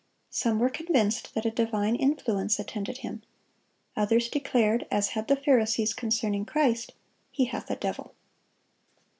Some were convinced that a divine influence attended him; others declared, as had the Pharisees concerning Christ, "He hath a devil."